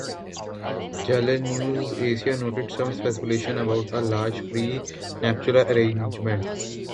Channel News Asia noted some speculation about a large pre-nuptial agreement.